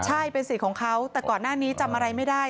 ใช่เป็นสิทธิ์ของเขาแต่ก่อนหน้านี้จำอะไรไม่ได้